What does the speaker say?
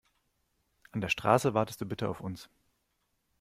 An der Straße wartest du bitte auf uns.